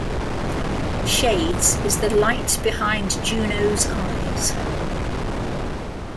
Shades is the light behind Juno's eyes.